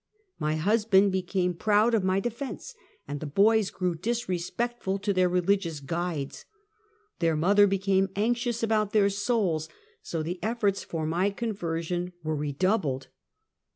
My husband became proud of my defense, and the boys grew disrespectful to their religious guides. Their mother became anxious about their souls, so the efforts for my conversion were redou bled.